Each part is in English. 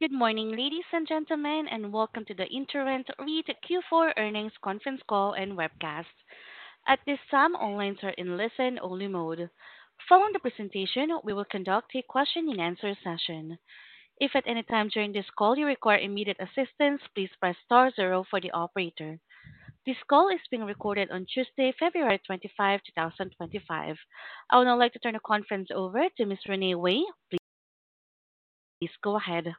Good morning, ladies and gentlemen, and welcome to the InterRent REIT Q4 earnings conference call and webcast. At this time, all lines are in listen-only mode. Following the presentation, we will conduct a question-and-answer session. If at any time during this call you require immediate assistance, please press star zero for the operator. This call is being recorded on Tuesday, February 25, 2025. I would now like to turn the conference over to Ms. Renee Wei. Please go ahead.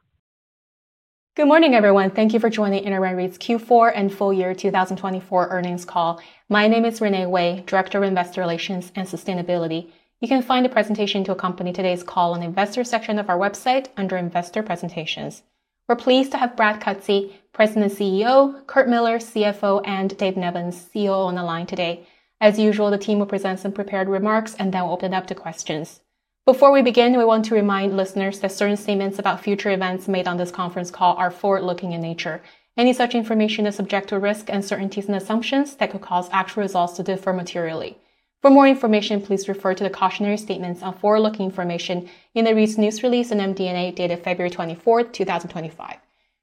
Good morning, everyone. Thank you for joining InterRent REIT's Q4 and full year 2024 earnings call. My name is Renee Wei, Director of Investor Relations and Sustainability. You can find the presentation to accompany today's call on the investor section of our website under Investor Presentations. We're pleased to have Brad Cutsey, President and CEO, Curt Millar, CFO, and Dave Nevins, COO, on the line today. As usual, the team will present some prepared remarks and then we'll open it up to questions. Before we begin, we want to remind listeners that certain statements about future events made on this conference call are forward-looking in nature. Any such information is subject to risks, uncertainties, and assumptions that could cause actual results to differ materially. For more information, please refer to the cautionary statements on forward-looking information in the REIT's News Release and MD&A dated February 24, 2025.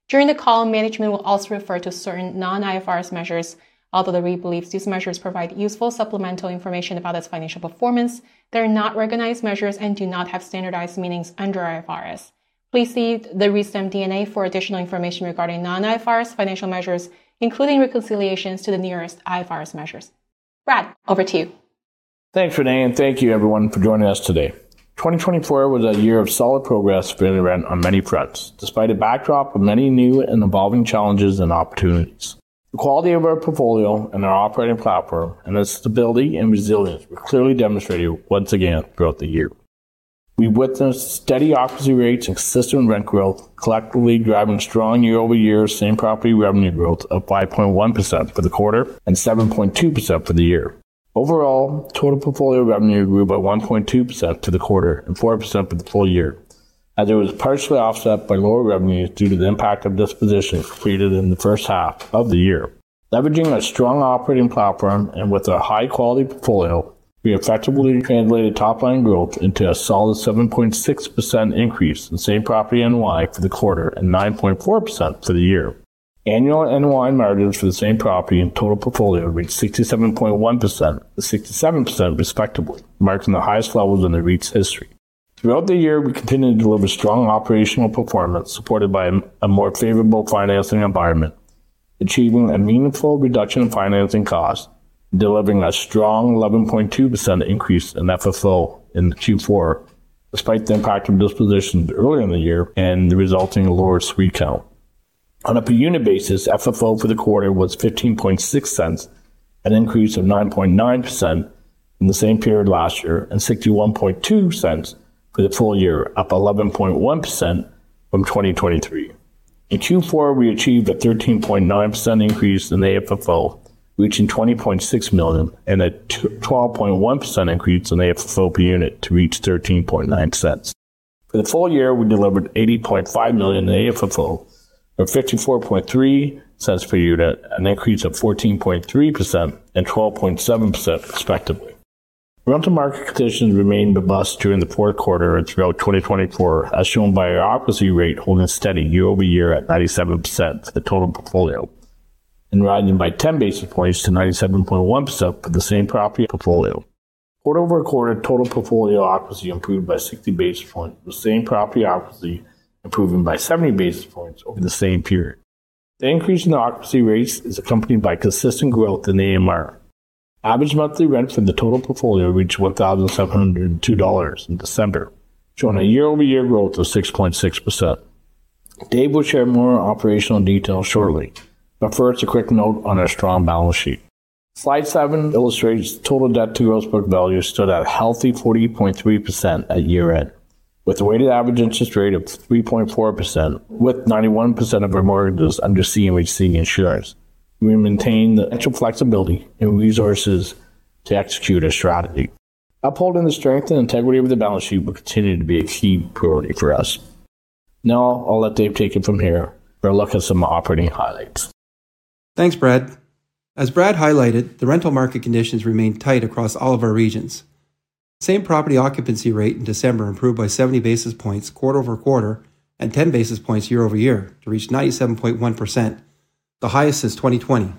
During the call, management will also refer to certain non-IFRS measures. Although the REIT believes these measures provide useful supplemental information about its financial performance, they are not recognized measures and do not have standardized meanings under IFRS. Please see the REIT's MD&A for additional information regarding non-IFRS financial measures, including reconciliations to the nearest IFRS measures. Brad, over to you. Thanks, Renee, and thank you, everyone, for joining us today. 2024 was a year of solid progress for InterRent on many fronts, despite a backdrop of many new and evolving challenges and opportunities. The quality of our portfolio and our operating platform, and its stability and resilience, were clearly demonstrated once again throughout the year. We witnessed steady occupancy rates and consistent rent growth, collectively driving strong year-over-year same property revenue growth of 5.1% for the quarter and 7.2% for the year. Overall, total portfolio revenue grew by 1.2% for the quarter and 4% for the full year, as it was partially offset by lower revenues due to the impact of dispositions created in the first half of the year. Leveraging our strong operating platform and with a high-quality portfolio, we effectively translated top-line growth into a solid 7.6% increase in same property NOI for the quarter and 9.4% for the year. Annual NOI margins for the same property and total portfolio reached 67.1% and 67%, respectively, marking the highest levels in the REIT's history. Throughout the year, we continued to deliver strong operational performance supported by a more favorable financing environment, achieving a meaningful reduction in financing costs and delivering a strong 11.2% increase in FFO in Q4, despite the impact of dispositions earlier in the year and the resulting lower suite count. On a per unit basis, FFO for the quarter was 0.156, an increase of 9.9% in the same period last year, and 0.612 for the full year, up 11.1% from 2023. In Q4, we achieved a 13.9% increase in the AFFO, reaching 20.6 million, and a 12.1% increase in the AFFO per unit to reach 0.139. For the full year, we delivered 80.5 million in AFFO, or 0.543 per unit, an increase of 14.3% and 12.7%, respectively. Rental market conditions remained robust during the fourth quarter and throughout 2024, as shown by our occupancy rate holding steady year-over-year at 97% for the total portfolio, and rising by 10 basis points to 97.1% for the same property portfolio. Quarter-over-quarter, total portfolio occupancy improved by 60 basis points with the same property occupancy improving by 70 basis points over the same period. The increase in the occupancy rates is accompanied by consistent growth in AMR. Average monthly rent for the total portfolio reached 1,702 dollars in December, showing a year-over-year growth of 6.6%. Dave will share more operational details shortly, but first, a quick note on our strong balance sheet. Slide seven illustrates total debt-to-gross book value stood at a healthy 40.3% at year-end, with a weighted average interest rate of 3.4%, with 91% of our mortgages under CMHC insurance. We maintained the financial flexibility and resources to execute our strategy. Upholding the strength and integrity of the balance sheet will continue to be a key priority for us. Now, I'll let Dave take it from here for a look at some operating highlights. Thanks, Brad. As Brad highlighted, the rental market conditions remain tight across all of our regions. Same property occupancy rate in December improved by 70 basis points quarter-over-quarter and 10 basis points year-over-year to reach 97.1%, the highest since 2020.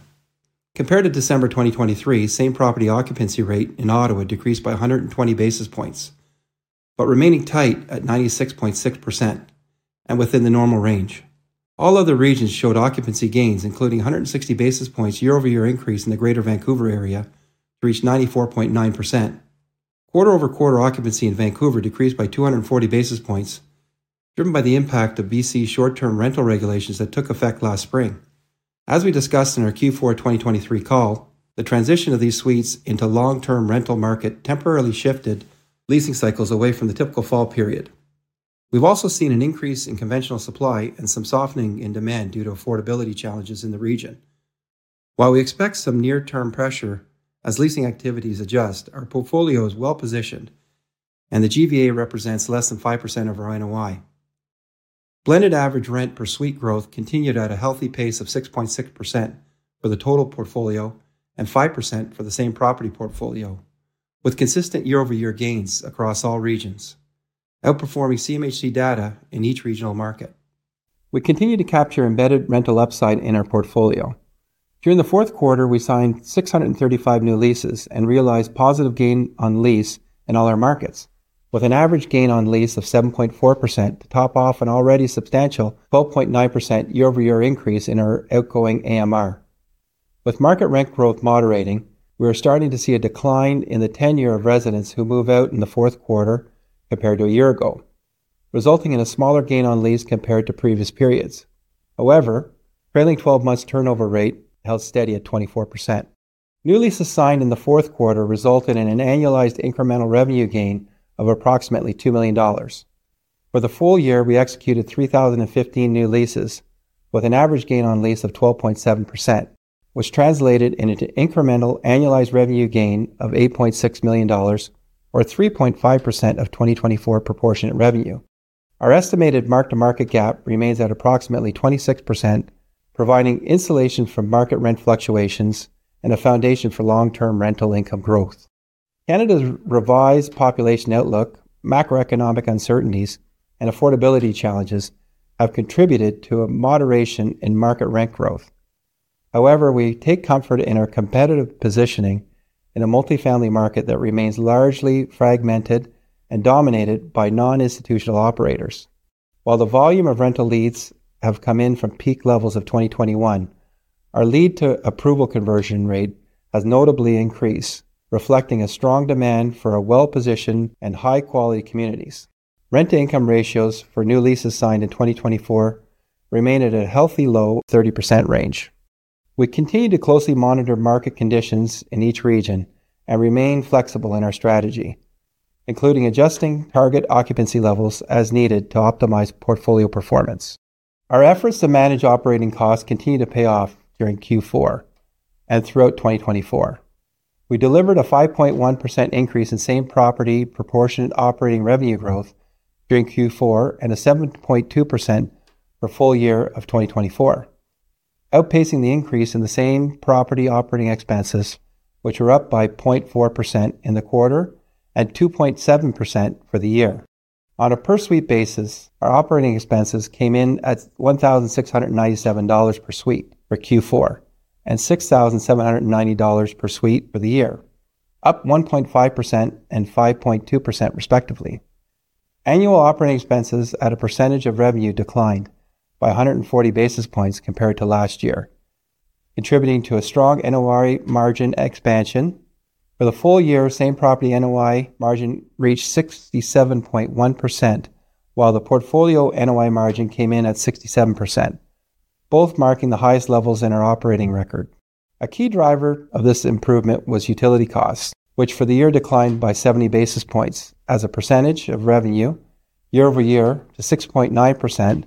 Compared to December 2023, same property occupancy rate in Ottawa decreased by 120 basis points, but remaining tight at 96.6% and within the normal range. All other regions showed occupancy gains, including 160 basis points year-over-year increase in the greater Vancouver area to reach 94.9%. Quarter-over-quarter occupancy in Vancouver decreased by 240 basis points, driven by the impact of BC's short-term rental regulations that took effect last spring. As we discussed in our Q4 2023 call, the transition of these suites into long-term rental market temporarily shifted leasing cycles away from the typical fall period. We've also seen an increase in conventional supply and some softening in demand due to affordability challenges in the region. While we expect some near-term pressure as leasing activities adjust, our portfolio is well-positioned, and the GVA represents less than 5% of our NOI. Blended average rent per suite growth continued at a healthy pace of 6.6% for the total portfolio and 5% for the same property portfolio, with consistent year-over-year gains across all regions, outperforming CMHC data in each regional market. We continue to capture embedded rental upside in our portfolio. During the fourth quarter, we signed 635 new leases and realized positive gain on lease in all our markets, with an average gain on lease of 7.4% to top off an already substantial 12.9% year-over-year increase in our outgoing AMR. With market rent growth moderating, we are starting to see a decline in the tenure of residents who move out in the fourth quarter compared to a year ago, resulting in a smaller gain on lease compared to previous periods. However, trailing 12 months' turnover rate held steady at 24%. New leases signed in the fourth quarter resulted in an annualized incremental revenue gain of approximately 2 million dollars. For the full year, we executed 3,015 new leases, with an average gain on lease of 12.7%, which translated into incremental annualized revenue gain of 8.6 million dollars, or 3.5% of 2024 proportionate revenue. Our estimated mark-to-market gap remains at approximately 26%, providing insulation from market rent fluctuations and a foundation for long-term rental income growth. Canada's revised population outlook, macroeconomic uncertainties, and affordability challenges have contributed to a moderation in market rent growth. However, we take comfort in our competitive positioning in a multifamily market that remains largely fragmented and dominated by non-institutional operators. While the volume of rental leads have come in from peak levels of 2021, our lead-to-approval conversion rate has notably increased, reflecting a strong demand for well-positioned and high-quality communities. Rent-to-income ratios for new leases signed in 2024 remain at a healthy low 30% range. We continue to closely monitor market conditions in each region and remain flexible in our strategy, including adjusting target occupancy levels as needed to optimize portfolio performance. Our efforts to manage operating costs continue to pay off during Q4 and throughout 2024. We delivered a 5.1% increase in same property proportionate operating revenue growth during Q4 and a 7.2% for full year of 2024, outpacing the increase in the same property operating expenses, which were up by 0.4% in the quarter and 2.7% for the year. On a per-suite basis, our operating expenses came in at 1,697 dollars per suite for Q4 and 6,790 dollars per suite for the year, up 1.5% and 5.2%, respectively. Annual operating expenses at a percentage of revenue declined by 140 basis points compared to last year, contributing to a strong NOI margin expansion. For the full year, same property NOI margin reached 67.1%, while the portfolio NOI margin came in at 67%, both marking the highest levels in our operating record. A key driver of this improvement was utility costs, which for the year declined by 70 basis points as a percentage of revenue year-over-year to 6.9%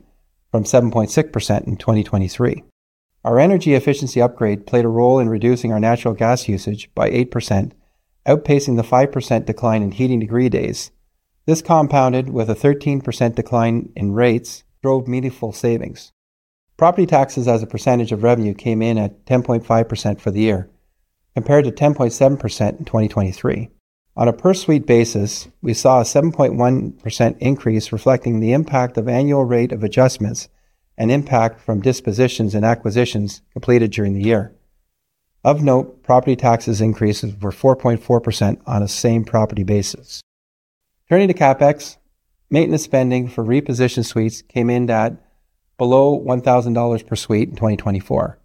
from 7.6% in 2023. Our energy efficiency upgrade played a role in reducing our natural gas usage by 8%, outpacing the 5% decline in heating degree days. This compounded with a 13% decline in rates, which drove meaningful savings. Property taxes as a percentage of revenue came in at 10.5% for the year, compared to 10.7% in 2023. On a per-suite basis, we saw a 7.1% increase, reflecting the impact of annual rate of adjustments and impact from dispositions and acquisitions completed during the year. Of note, property taxes increased over 4.4% on a same property basis. Turning to CapEx, maintenance spending for repositioned suites came in at below 1,000 dollars per suite in 2024,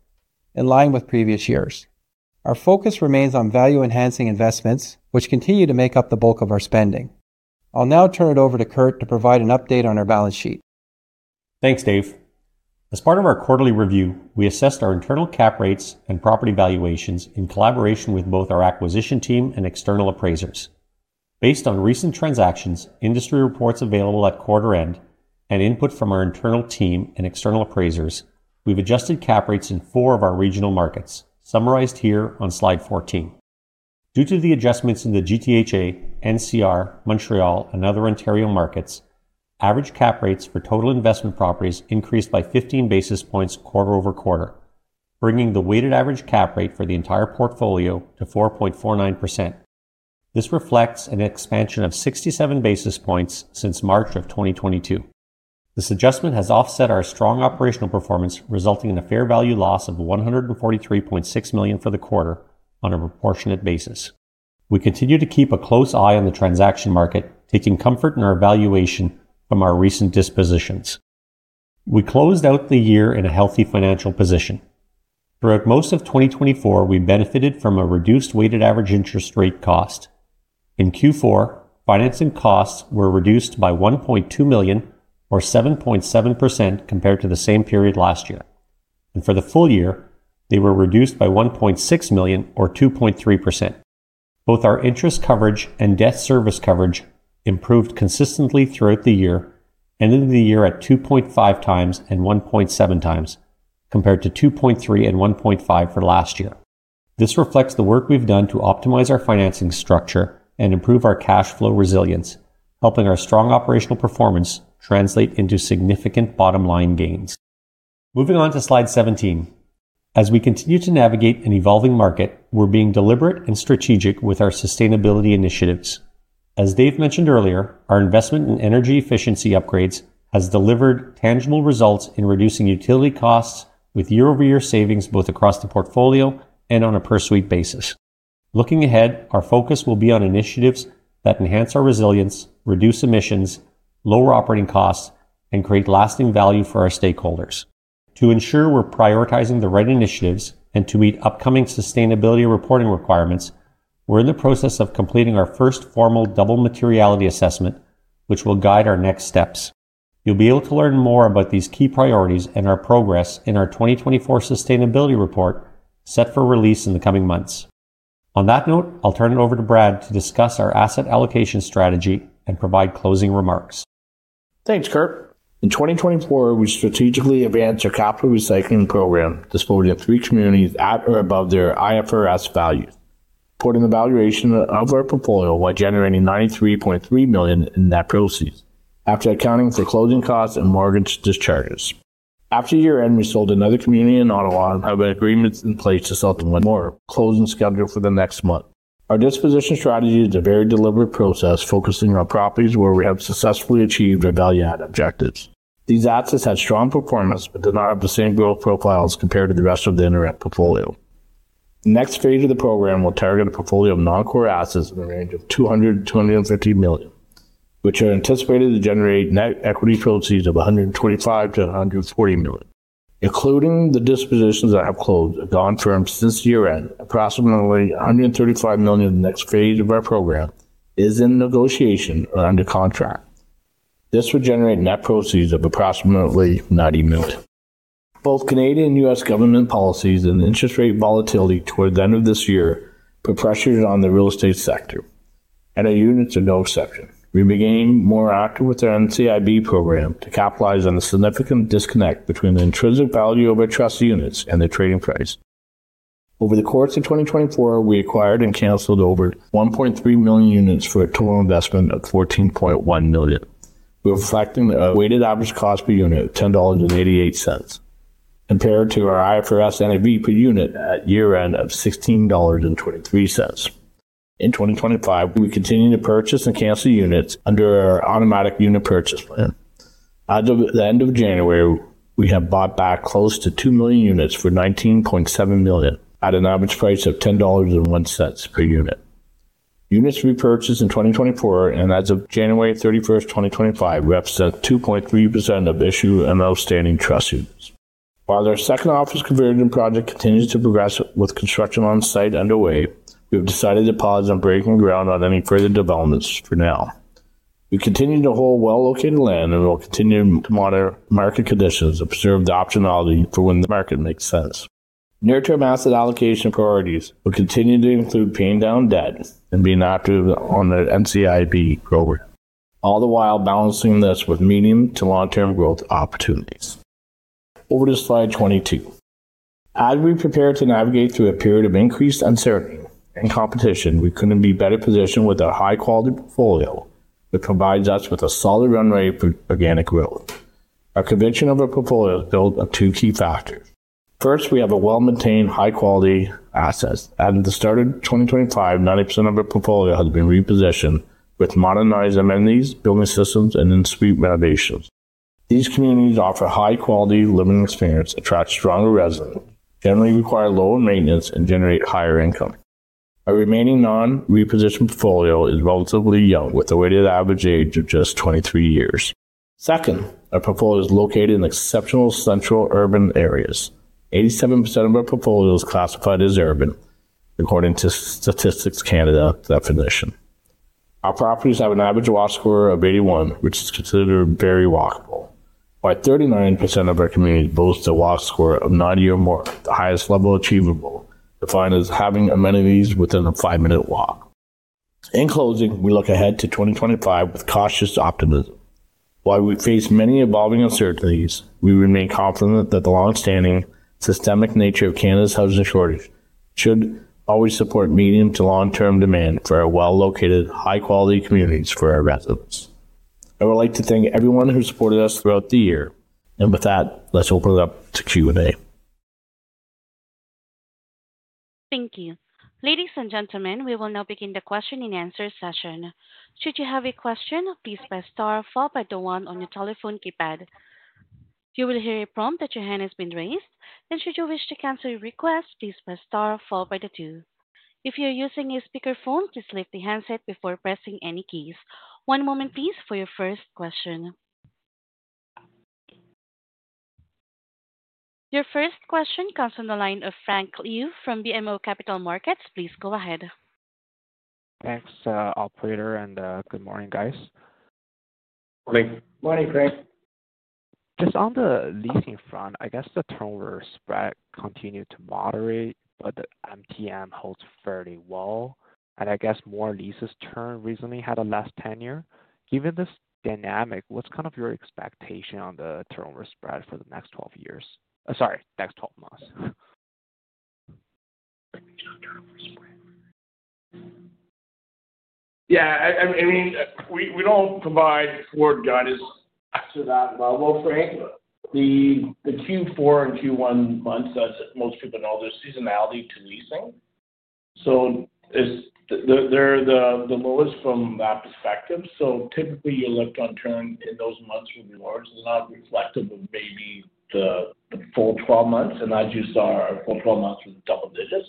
in line with previous years. Our focus remains on value-enhancing investments, which continue to make up the bulk of our spending. I'll now turn it over to Curt to provide an update on our balance sheet. Thanks, Dave. As part of our quarterly review, we assessed our internal cap rates and property valuations in collaboration with both our acquisition team and external appraisers. Based on recent transactions, industry reports available at quarter end, and input from our internal team and external appraisers, we've adjusted cap rates in four of our regional markets, summarized here on Slide 14. Due to the adjustments in the GTHA, NCR, Montreal, and other Ontario markets, average cap rates for total investment properties increased by 15 basis points quarter-over-quarter, bringing the weighted average cap rate for the entire portfolio to 4.49%. This reflects an expansion of 67 basis points since March of 2022. This adjustment has offset our strong operational performance, resulting in a fair value loss of 143.6 million for the quarter on a proportionate basis. We continue to keep a close eye on the transaction market, taking comfort in our valuation from our recent dispositions. We closed out the year in a healthy financial position. Throughout most of 2024, we benefited from a reduced weighted average interest rate cost. In Q4, financing costs were reduced by 1.2 million, or 7.7%, compared to the same period last year, and for the full year, they were reduced by 1.6 million, or 2.3%. Both our interest coverage and debt service coverage improved consistently throughout the year, ending the year at 2.5x and 1.7x, compared to 2.3x and 1.5x for last year. This reflects the work we've done to optimize our financing structure and improve our cash flow resilience, helping our strong operational performance translate into significant bottom-line gains. Moving on to Slide 17. As we continue to navigate an evolving market, we're being deliberate and strategic with our sustainability initiatives. As Dave mentioned earlier, our investment in energy efficiency upgrades has delivered tangible results in reducing utility costs, with year-over-year savings both across the portfolio and on a per-suite basis. Looking ahead, our focus will be on initiatives that enhance our resilience, reduce emissions, lower operating costs, and create lasting value for our stakeholders. To ensure we're prioritizing the right initiatives and to meet upcoming sustainability reporting requirements, we're in the process of completing our first formal double materiality assessment, which will guide our next steps. You'll be able to learn more about these key priorities and our progress in our 2024 sustainability report, set for release in the coming months. On that note, I'll turn it over to Brad to discuss our asset allocation strategy and provide closing remarks. Thanks, Curt. In 2024, we strategically advanced our capital recycling program, disposing of three communities at or above their IFRS values, supporting the valuation of our portfolio while generating 93.3 million in net proceeds, after accounting for closing costs and mortgage discharges. After year-end, we sold another community in Ottawa and have agreements in place to sell one more, closing scheduled for the next month. Our disposition strategy is a very deliberate process, focusing on properties where we have successfully achieved our value-add objectives. These assets had strong performance but did not have the same growth profiles compared to the rest of the InterRent portfolio. The next phase of the program will target a portfolio of non-core assets in the range of 200 million-250 million, which are anticipated to generate net equity proceeds of 125 million-140 million. Including the dispositions that have closed and gone firm since year-end, approximately 135 million in the next phase of our program is in negotiation or under contract. This would generate net proceeds of approximately 90 million. Both Canadian and U.S. government policies and interest rate volatility toward the end of this year put pressure on the real estate sector, and our units are no exception. We became more active with our NCIB program to capitalize on the significant disconnect between the intrinsic value of our trust units and their trading price. Over the course of 2024, we acquired and canceled over 1.3 million units for a total investment of 14.1 million, reflecting a weighted average cost per unit of 10.88 dollars, compared to our IFRS NAV per unit at year-end of 16.23 dollars. In 2025, we continue to purchase and cancel units under our automatic unit purchase plan. As of the end of January, we have bought back close to 2 million units for 19.7 million at an average price of 10.01 dollars per unit. Units repurchased in 2024 and as of January 31st, 2025, represent 2.3% of issued and outstanding trust units. While our second office conversion project continues to progress with construction on site underway, we have decided to pause and break ground on any further developments for now. We continue to hold well-located land and will continue to monitor market conditions to observe the optionality for when the market makes sense. Near-term asset allocation priorities will continue to include paying down debt and being active on the NCIB program, all the while balancing this with medium to long-term growth opportunities. Over to Slide 22. As we prepare to navigate through a period of increased uncertainty and competition, we couldn't be better positioned with a high-quality portfolio that provides us with a solid run rate for organic growth. Our composition of our portfolio is built on two key factors. First, we have a well-maintained, high-quality assets. At the start of 2025, 90% of our portfolio has been repositioned with modernized amenities, building systems, and in-suite renovations. These communities offer high-quality living experience, attract stronger residents, generally require lower maintenance, and generate higher income. Our remaining non-repositioned portfolio is relatively young, with a weighted average age of just 23 years. Second, our portfolio is located in exceptional central urban areas. 87% of our portfolio is classified as urban, according to Statistics Canada definition. Our properties have an average Walk Score of 81, which is considered very walkable. By 39% of our communities, both a Walk Score of 90 or more, the highest level achievable, defined as having amenities within a five-minute walk. In closing, we look ahead to 2025 with cautious optimism. While we face many evolving uncertainties, we remain confident that the long-standing systemic nature of Canada's housing shortage should always support medium to long-term demand for our well-located, high-quality communities for our residents. I would like to thank everyone who supported us throughout the year. And with that, let's open it up to Q&A. Thank you. Ladies and gentlemen, we will now begin the question-and-answer session. Should you have a question, please press star one on your telephone keypad. You will hear a prompt that your hand has been raised. And should you wish to cancel your request, please press star two. If you're using a speakerphone, please lift the handset before pressing any keys. One moment, please, for your first question. Your first question comes from the line of Frank Liu from BMO Capital Markets. Please go ahead. Thanks, Operator, and good morning, guys. Morning. Morning, Frank. Just on the leasing front, I guess the turnover spread continued to moderate, but the MTM holds fairly well. And I guess more leases turned recently had less tenure. Given this dynamic, what's kind of your expectation on the turnover spread for the next 12 years? Sorry, next 12 months. Yeah, I mean, we don't provide forward guidance to that level, Frank. The Q4 and Q1 months that most people know the seasonality of leasing. So they're the lowest from that perspective. So typically, your lift-on-turn in those months would be large. It's not reflective of maybe the full 12 months, and as you saw, our full 12 months was double digits.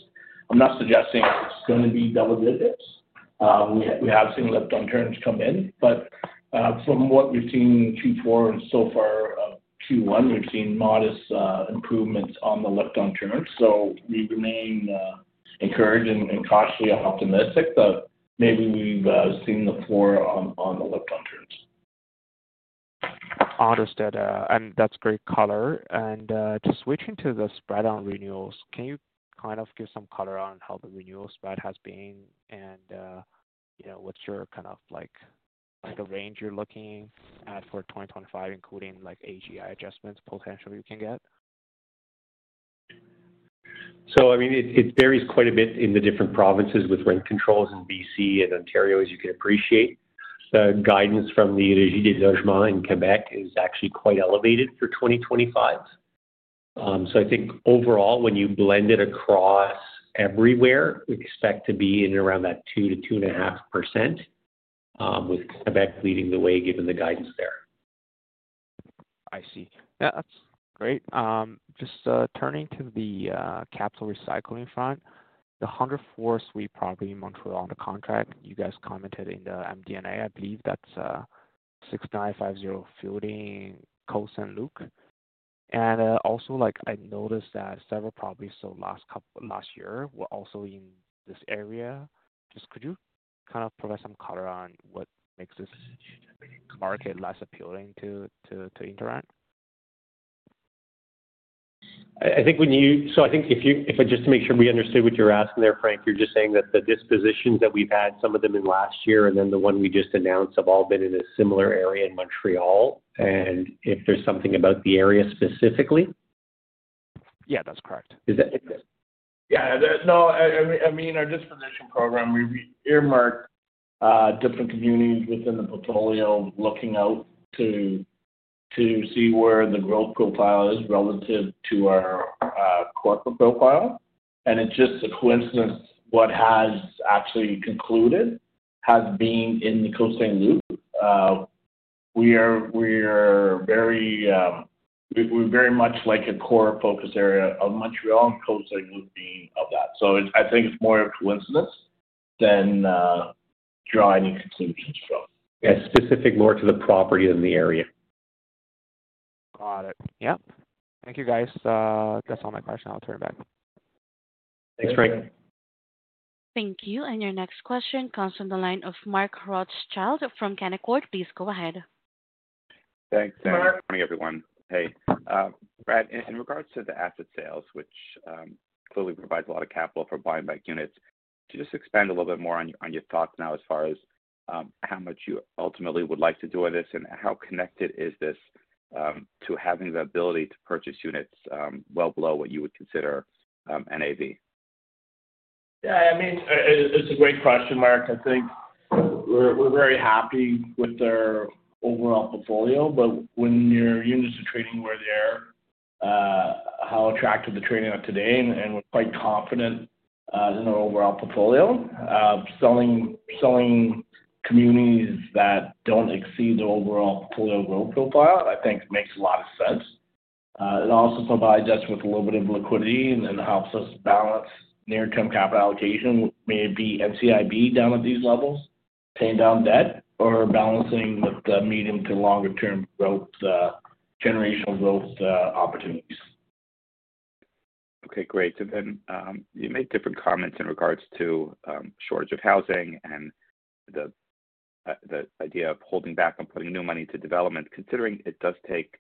I'm not suggesting it's going to be double digits. We have seen lift-on-turns come in. But from what we've seen in Q4 and so far in Q1, we've seen modest improvements on the lift-on-turns. So we remain encouraged and cautiously optimistic that maybe we've seen the floor on the lift-on-turns. Understood. And that's great color. And to switch into the spread on renewals, can you kind of give some color on how the renewal spread has been and what's your kind of the range you're looking at for 2025, including AGI adjustments potentially you can get? So I mean, it varies quite a bit in the different provinces with rent controls in BC and Ontario, as you can appreciate. The guidance from the Régie du logement in Québec is actually quite elevated for 2025. So I think overall, when you blend it across everywhere, we expect to be in around that 2%-2.5%, with Québec leading the way given the guidance there. I see. Yeah, that's great. Just turning to the capital recycling front, the 104-suite property in Montreal on the contract you guys commented in the MD&A, I believe that's 6950 Fielding in Côte Saint-Luc. And also, I noticed that several properties last year were also in this area. Just could you kind of provide some color on what makes this market less appealing to InterRent? I think if I just to make sure we understood what you're asking there, Frank, you're just saying that the dispositions that we've had, some of them in last year and then the one we just announced have all been in a similar area in Montreal. And if there's something about the area specifically? Yeah, that's correct. Yeah. No, I mean, our disposition program, we earmark different communities within the portfolio looking out to see where the growth profile is relative to our corporate profile. And it's just a coincidence what has actually concluded has been in the Côte Saint-Luc. We're very much like a core focus area of Montreal and Côte Saint-Luc being of that. So I think it's more of a coincidence than draw any conclusions from. Yeah, specific more to the property than the area. Got it. Yep. Thank you, guys. That's all my questions. I'll turn it back. Thanks, Frank. Thank you. And your next question comes from the line of Mark Rothschild from Canaccord Genuity. Please go ahead. Thanks. Good morning, everyone. Hey. Brad, in regards to the asset sales, which clearly provides a lot of capital for buying back units, to just expand a little bit more on your thoughts now as far as how much you ultimately would like to do with this and how connected is this to having the ability to purchase units well below what you would consider NAV? Yeah. I mean, it's a great question, Mark. I think we're very happy with our overall portfolio, but when your units are trading where they are, how attractive the trading is today, and we're quite confident in our overall portfolio. Selling communities that don't exceed the overall portfolio growth profile, I think, makes a lot of sense. It also provides us with a little bit of liquidity and helps us balance near-term capital allocation, maybe NCIB down at these levels, paying down debt, or balancing with the medium to longer-term growth, generational growth opportunities. Okay. Great. So then you made different comments in regards to shortage of housing and the idea of holding back on putting new money to development. Considering it does take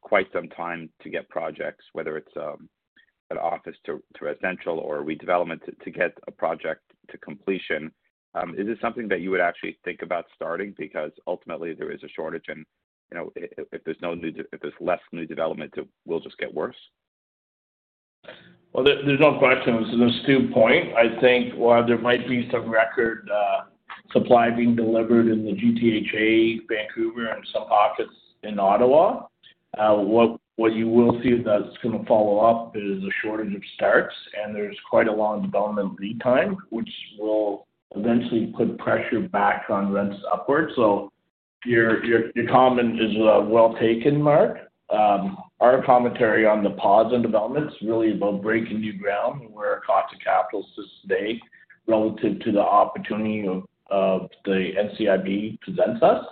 quite some time to get projects, whether it's an office to residential or redevelopment to get a project to completion, is this something that you would actually think about starting? Because ultimately, there is a shortage, and if there's less new development, it will just get worse. There's no question. This is a stupid point. I think, while there might be some record supply being delivered in the GTHA, Vancouver, and some pockets in Ottawa, what you will see that's going to follow up is a shortage of starts, and there's quite a long development lead time, which will eventually put pressure back on rents upward. Your comment is well taken, Mark. Our commentary on the pause on development is really about breaking new ground where our cost of capital is today relative to the opportunity the NCIB presents us.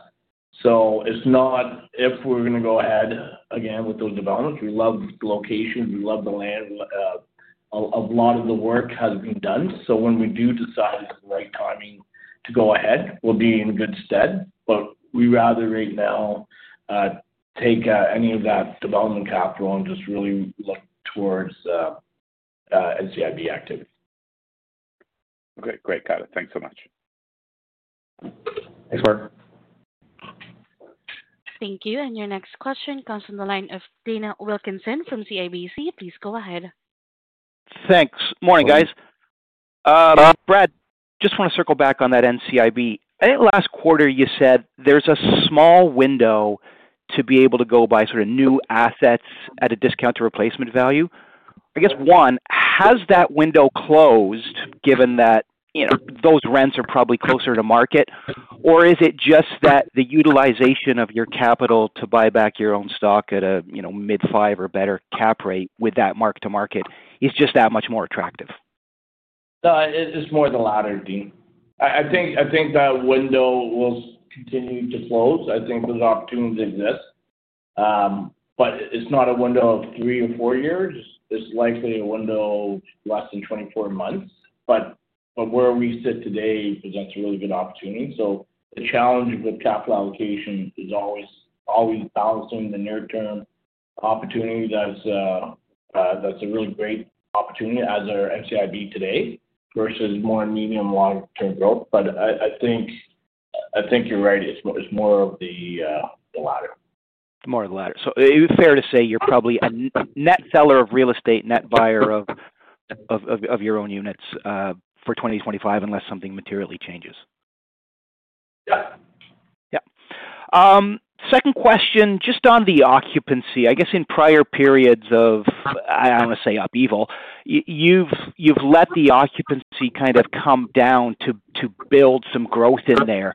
It's not if we're going to go ahead again with those developments. We love the location. We love the land. A lot of the work has been done. When we do decide it's the right timing to go ahead, we'll be in good stead. But we'd rather right now take any of that development capital and just really look towards NCIB activity. Okay. Great. Got it. Thanks so much. Thanks, Mark. Thank you. And your next question comes from the line of Dean Wilkinson from CIBC. Please go ahead. Thanks. Morning, guys. Morning. Brad, just want to circle back on that NCIB. I think last quarter you said there's a small window to be able to go buy sort of new assets at a discount to replacement value. I guess, one, has that window closed given that those rents are probably closer to market? Or is it just that the utilization of your capital to buy back your own stock at a mid-5 or better cap rate with that mark-to-market is just that much more attractive? It's more the latter, Dean. I think that window will continue to close. I think those opportunities exist. But it's not a window of three or four years. It's likely a window less than 24 months. But where we sit today presents a really good opportunity. So the challenge with capital allocation is always balancing the near-term opportunity. That's a really great opportunity as our NCIB today versus more medium-long-term growth. But I think you're right. It's more of the latter. More of the latter. So it would be fair to say you're probably a net seller of real estate, net buyer of your own units for 2025 unless something materially changes. Yeah. Yeah. Second question, just on the occupancy. I guess in prior periods of, I don't want to say upheaval, you've let the occupancy kind of come down to build some growth in there.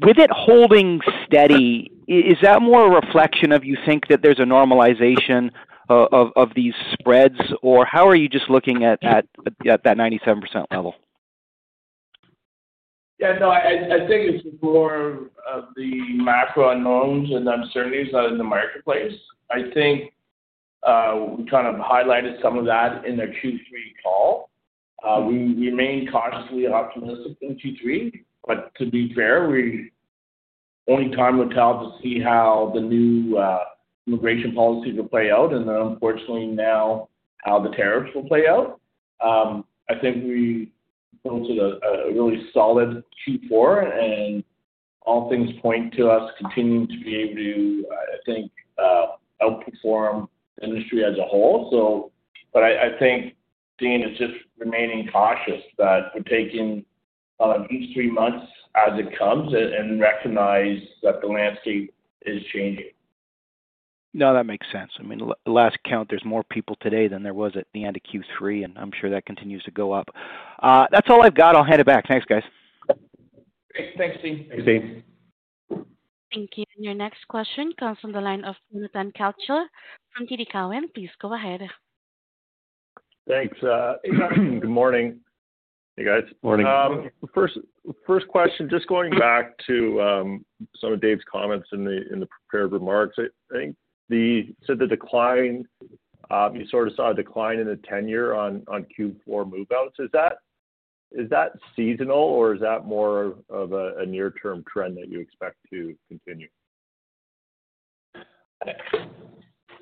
With it holding steady, is that more a reflection of you think that there's a normalization of these spreads? Or how are you just looking at that 97% level? Yeah. No, I think it's more of the macro unknowns and uncertainties that are in the marketplace. I think we kind of highlighted some of that in our Q3 call. We remain cautiously optimistic in Q3. But to be fair, only time will tell to see how the new immigration policies will play out and then, unfortunately, now how the tariffs will play out. I think we built a really solid Q4, and all things point to us continuing to be able to, I think, outperform the industry as a whole. But I think, Dean, it's just remaining cautious that we're taking each three months as it comes and recognize that the landscape is changing. No, that makes sense. I mean, last count, there's more people today than there was at the end of Q3, and I'm sure that continues to go up. That's all I've got. I'll hand it back. Thanks, guys. Great. Thanks. Thanks. Steve. Thank you, and your next question comes from the line of Jonathan Kelcher from TD Cowen. Please go ahead. Thanks. Good morning. Hey, guys. Morning. First question, just going back to some of Dave's comments in the prepared remarks, I think you said the decline, you sort of saw a decline in the tenure on Q4 move-outs. Is that seasonal, or is that more of a near-term trend that you expect to continue?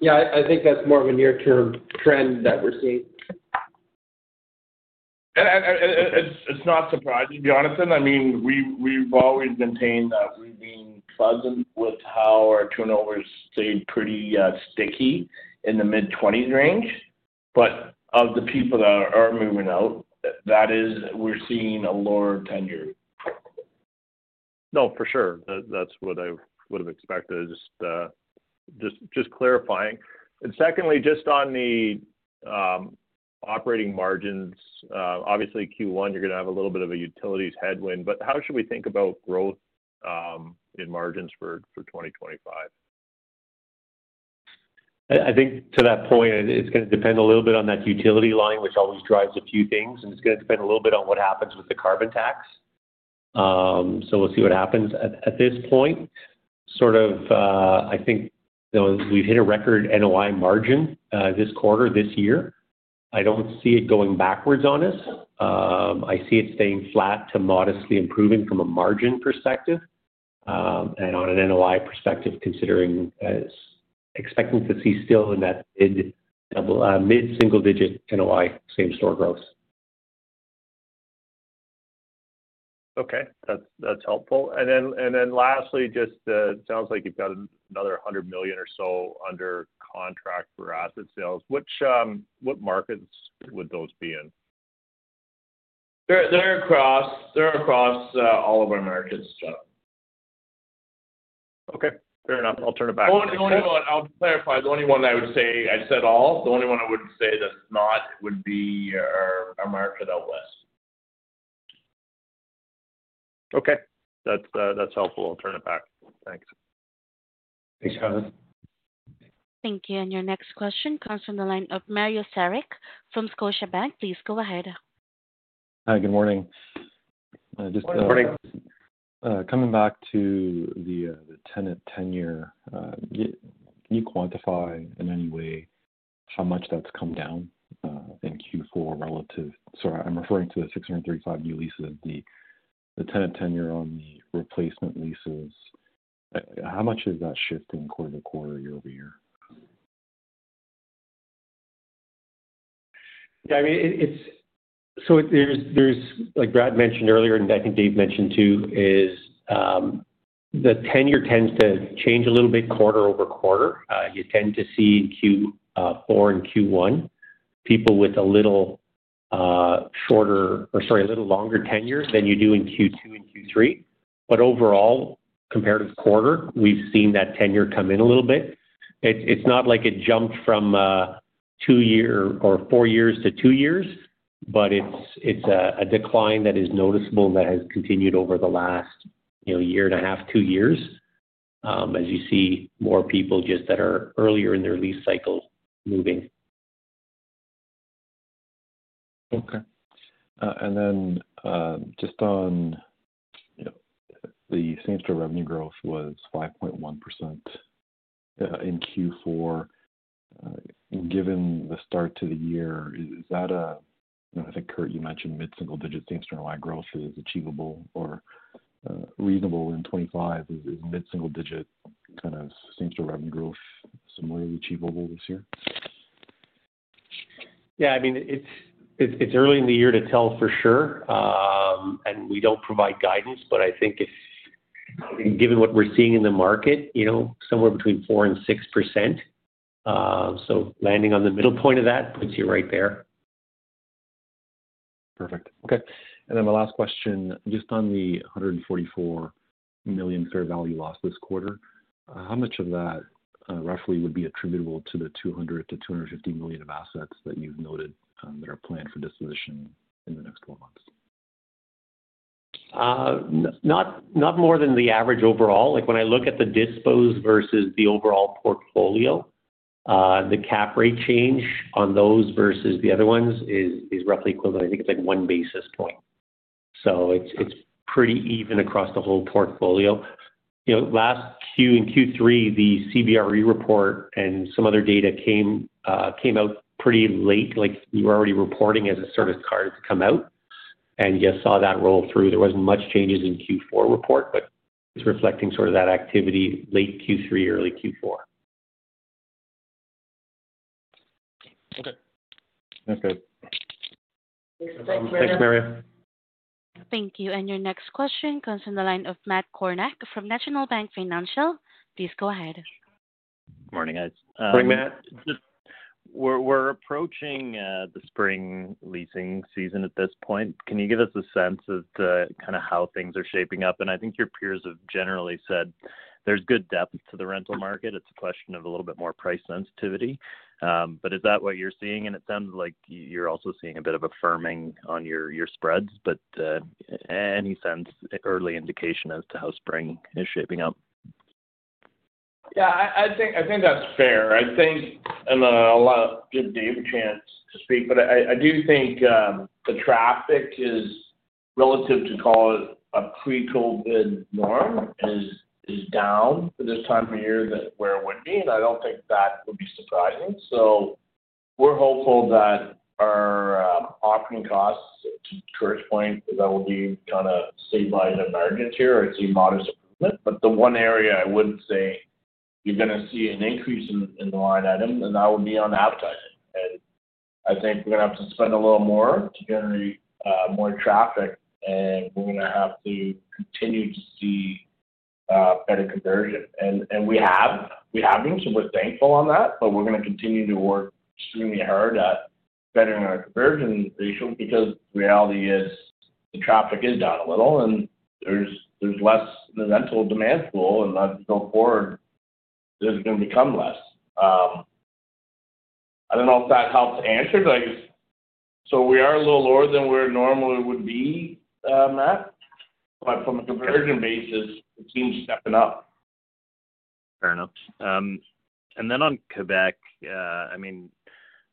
Yeah, I think that's more of a near-term trend that we're seeing. It's not surprising, Jonathan. I mean, we've always maintained that we've been pleased with how our turnovers stayed pretty sticky in the mid-20s range. But of the people that are moving out, that is, we're seeing a lower tenure. No, for sure. That's what I would have expected. Just clarifying. And secondly, just on the operating margins, obviously, Q1, you're going to have a little bit of a utilities headwind. But how should we think about growth in margins for 2025? I think to that point, it's going to depend a little bit on that utility line, which always drives a few things, and it's going to depend a little bit on what happens with the carbon tax, so we'll see what happens. At this point, sort of I think we've hit a record NOI margin this quarter, this year. I don't see it going backwards on us. I see it staying flat to modestly improving from a margin perspective, and on an NOI perspective, considering expecting to see still in that mid-single-digit NOI, same-store growth. Okay. That's helpful. And then lastly, just it sounds like you've got another 100 million or so under contract for asset sales. What markets would those be in? They're across all of our markets, Jonathan. Okay. Fair enough. I'll turn it back. I'll clarify. The only one I would say I said all. The only one I would say that's not would be our market out West. Okay. That's helpful. I'll turn it back. Thanks. Thanks, Jonathan. Thank you. And your next question comes from the line of Mario Saric from Scotiabank. Please go ahead. Hi. Good morning. Morning, Mario. Coming back to the tenant tenure, can you quantify in any way how much that's come down in Q4 relative? So I'm referring to the 635 new leases. The tenant tenure on the replacement leases, how much is that shifting quarter to quarter year-over-year? Yeah. I mean, so there's, like Brad mentioned earlier, and I think Dave mentioned too, is the tenure tends to change a little bit quarter over quarter. You tend to see in Q4 and Q1 people with a little shorter or, sorry, a little longer tenure than you do in Q2 and Q3. But overall, compared with quarter, we've seen that tenure come in a little bit. It's not like it jumped from two years or four years to two years, but it's a decline that is noticeable and that has continued over the last year and a half, two years, as you see more people just that are earlier in their lease cycle moving. Okay. And then just on the same-store revenue growth was 5.1% in Q4. Given the start to the year, is that? I think, Curt, you mentioned mid-single-digit same-store NOI growth is achievable or reasonable in 2025. Is mid-single-digit kind of same-store revenue growth similarly achievable this year? Yeah. I mean, it's early in the year to tell for sure. And we don't provide guidance, but I think given what we're seeing in the market, somewhere between 4%-6%. So landing on the middle point of that puts you right there. Perfect. Okay. And then my last question, just on the 144 million fair value lost this quarter, how much of that roughly would be attributable to the 200 million-250 million of assets that you've noted that are planned for disposition in the next 12 months? Not more than the average overall. When I look at the disposed versus the overall portfolio, the cap rate change on those versus the other ones is roughly equivalent. I think it's like one basis point. So it's pretty even across the whole portfolio. Q2 and Q3, the CBRE report and some other data came out pretty late. You were already reporting as the CBRE report came out, and you saw that roll through. There wasn't much changes in Q4 report, but it's reflecting sort of that activity late Q3, early Q4. Okay. That's good. Thanks, Mario. Thanks, Mario. Thank you, and your next question comes from the line of Matt Kornack from National Bank Financial. Please go ahead. Morning, guys. Morning, Matt. We're approaching the spring leasing season at this point. Can you give us a sense of kind of how things are shaping up? And I think your peers have generally said there's good depth to the rental market. It's a question of a little bit more price sensitivity. But is that what you're seeing? And it sounds like you're also seeing a bit of a firming on your spreads. But any sense early indication as to how spring is shaping up? Yeah. I think that's fair. I think, and I'll let Dave have a chance to speak, but I do think the traffic is relative to call it a pre-COVID norm is down for this time of year where it would be. And I don't think that would be surprising. So we're hopeful that our operating costs to current point, that will be kind of stabilized in margins here, or I'd say modest improvement. But the one area I would say you're going to see an increase in the line item, and that would be on advertising. And I think we're going to have to spend a little more to generate more traffic, and we're going to have to continue to see better conversion. And we have been, so we're thankful on that. But we're going to continue to work extremely hard at bettering our conversion ratio because the reality is the traffic is down a little, and there's less in the rental demand pool. And as we go forward, there's going to become less. I don't know if that helps answer. So we are a little lower than where it normally would be, Matt. But from a conversion basis, it seems stepping up. Fair enough, and then on Quebec, I mean, I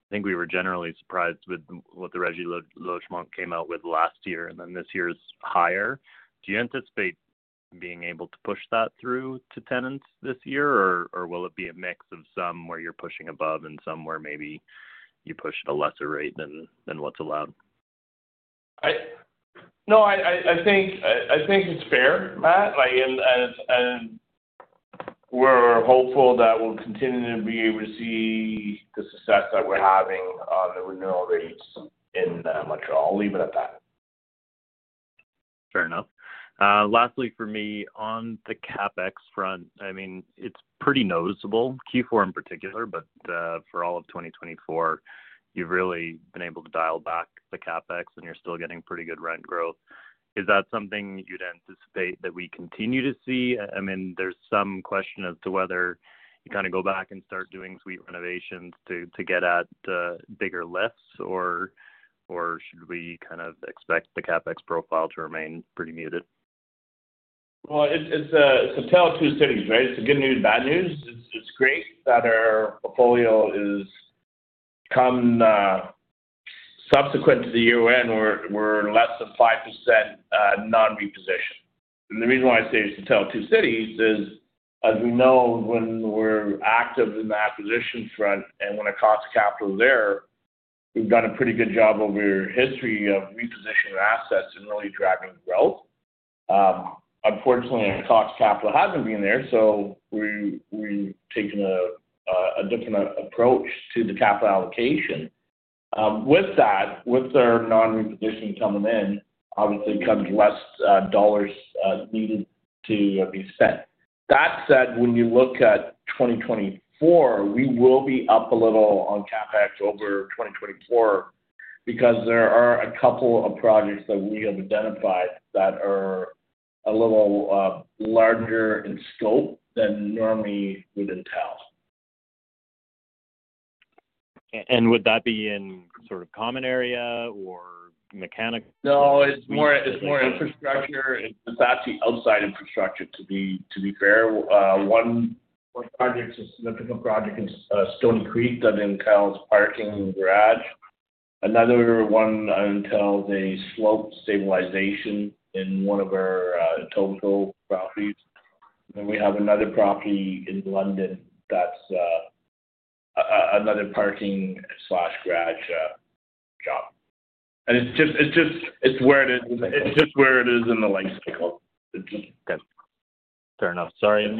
think we were generally surprised with what the Régie du logement came out with last year, and then this year's higher. Do you anticipate being able to push that through to tenants this year, or will it be a mix of some where you're pushing above and some where maybe you push at a lesser rate than what's allowed? No, I think it's fair, Matt. And we're hopeful that we'll continue to be able to see the success that we're having on the renewal rates in Montreal. I'll leave it at that. Fair enough. Lastly, for me, on the CapEx front, I mean, it's pretty noticeable, Q4 in particular, but for all of 2024, you've really been able to dial back the CapEx, and you're still getting pretty good rent growth. Is that something you'd anticipate that we continue to see? I mean, there's some question as to whether you kind of go back and start doing suite renovations to get at bigger lifts, or should we kind of expect the CapEx profile to remain pretty muted? It's a tale of two cities, right? It's the good news and bad news. It's great that our portfolio has come subsequent to the year when we're less than 5% non-repositioned. And the reason why I say it's the tale of two cities is, as we know, when we're active in the acquisition front and when it costs capital there, we've done a pretty good job over your history of repositioning assets and really driving growth. Unfortunately, our cost capital hasn't been there, so we've taken a different approach to the capital allocation. With that, with our non-repositioning coming in, obviously comes less dollars needed to be spent. That said, when you look at 2024, we will be up a little on CapEx over 2024 because there are a couple of projects that we have identified that are a little larger in scope than normally would entail. Would that be in sort of common area or mechanical? No, it's more infrastructure. It's actually outside infrastructure, to be fair. One project is a significant project in Stoney Creek that entails parking and garage. Another one entails a slope stabilization in one of our Etobicoke properties. And then we have another property in London that's another parking/garage job. And it's just where it is. It's just where it is in the life cycle. Fair enough. Sorry.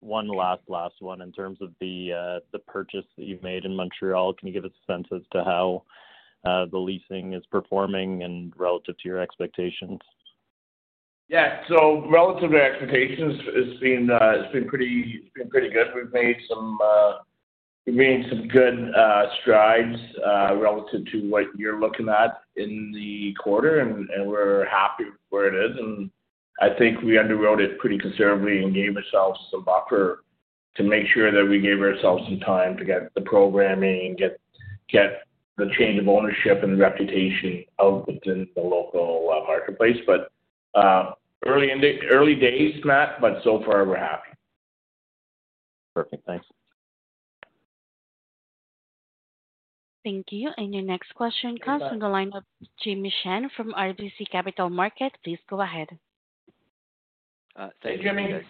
One last one. In terms of the purchase that you've made in Montreal, can you give us a sense as to how the leasing is performing relative to your expectations? Yeah. So relative to our expectations, it's been pretty good. We've made some good strides relative to what you're looking at in the quarter, and we're happy with where it is. And I think we underwrote it pretty conservatively and gave ourselves some buffer to make sure that we gave ourselves some time to get the programming, get the change of ownership and reputation out within the local marketplace. But early days, Matt. But so far, we're happy. Perfect. Thanks. Thank you. And your next question comes from the line of Jimmy Shan from RBC Capital Markets. Please go ahead. Thank you, Jimmy.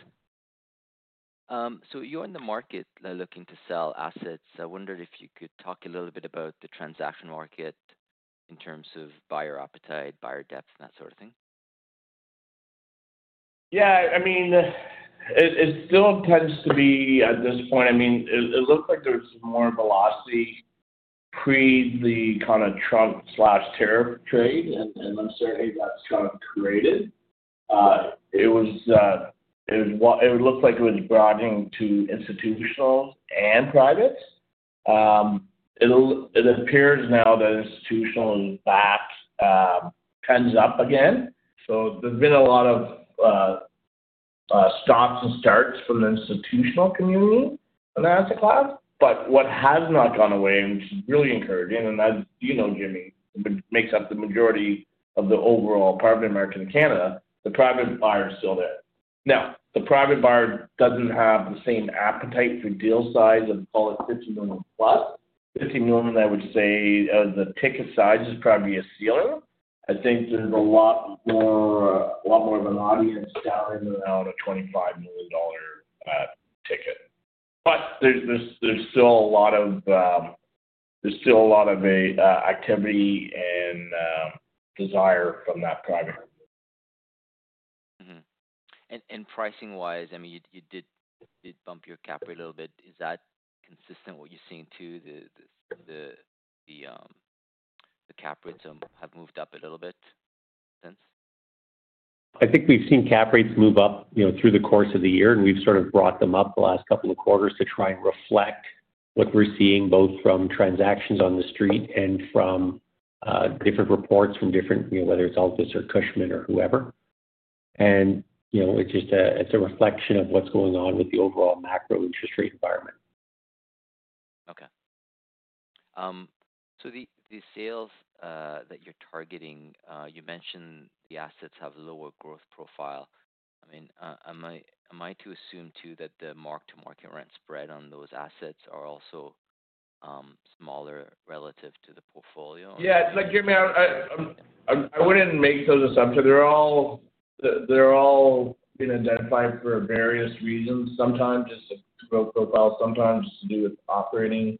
So you're in the market looking to sell assets. I wondered if you could talk a little bit about the transaction market in terms of buyer appetite, buyer depth, and that sort of thing. Yeah. I mean, it still tends to be at this point. I mean, it looks like there's more velocity pre the kind of Trump/Trump trade, and I'm certain that's kind of created. It looks like it was broadening to institutional and private. It appears now that institutional is back, tens up again. So there's been a lot of stops and starts from the institutional community on the asset class. But what has not gone away, which is really encouraging, and as you know, Jimmy, makes up the majority of the overall private market in Canada, the private buyer is still there. Now, the private buyer doesn't have the same appetite for deal size of, call it, 50 million+. 50 million, I would say, as a ticket size is probably a ceiling. I think there's a lot more of an audience down in and around a $25 million ticket. But there's still a lot of activity and desire from that private market. And pricing-wise, I mean, you did bump your cap a little bit. Is that consistent what you're seeing too? The cap rates have moved up a little bit since? I think we've seen cap rates move up through the course of the year, and we've sort of brought them up the last couple of quarters to try and reflect what we're seeing both from transactions on the street and from different reports from different, whether it's Altus or Cushman or whoever, and it's a reflection of what's going on with the overall macro interest rate environment. Okay. So the sales that you're targeting, you mentioned the assets have lower growth profile. I mean, am I to assume too that the mark-to-market rent spread on those assets are also smaller relative to the portfolio? Yeah. I wouldn't make those assumptions. They're all being identified for various reasons, sometimes just to growth profile, sometimes to do with operating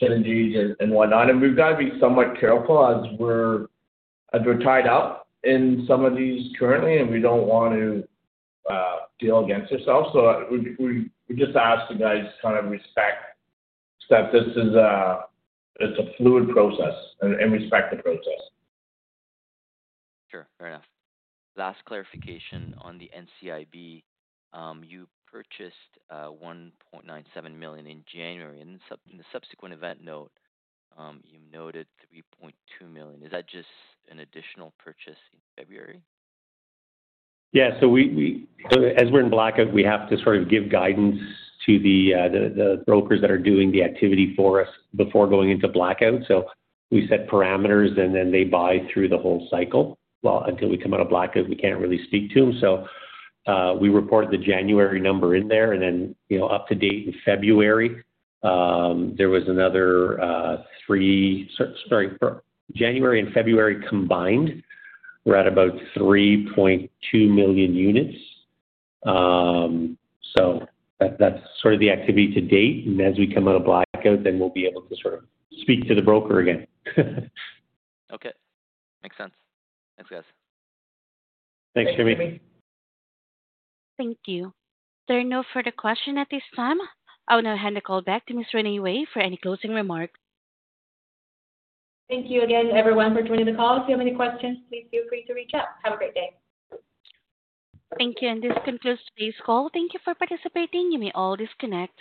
synergies and whatnot. And we've got to be somewhat careful as we're tied up in some of these currently, and we don't want to deal against ourselves. So we just ask the guys to kind of respect that this is a fluid process and respect the process. Sure. Fair enough. Last clarification on the NCIB. You purchased 1.97 million in January. In the subsequent event note, you noted 3.2 million. Is that just an additional purchase in February? Yeah. So as we're in blackout, we have to sort of give guidance to the brokers that are doing the activity for us before going into blackout. We set parameters, and then they buy through the whole cycle. Until we come out of blackout, we can't really speak to them. We report the January number in there, and then up to date in February, there was another three sorry, January and February combined, we're at about 3.2 million units. That's sort of the activity to date. As we come out of blackout, then we'll be able to sort of speak to the broker again. Okay. Makes sense. Thanks, guys. Thanks, Jimmy. Thank you. There are no further questions at this time. I'll now hand the call back to Ms. Renee Wei for any closing remarks. Thank you again, everyone, for joining the call. If you have any questions, please feel free to reach out. Have a great day. Thank you. And this concludes today's call. Thank you for participating. You may all disconnect.